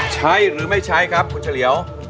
ใช่หรือไม่ใช่ครับเพราะเจ้า